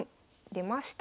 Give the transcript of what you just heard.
出ました。